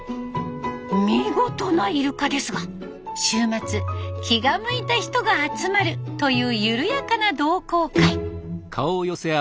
見事なイルカですが週末気が向いた人が集まるという緩やかな同好会。